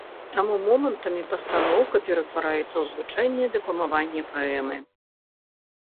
Таму момантамі пастаноўка ператвараецца ў звычайнае дэкламаванне паэмы.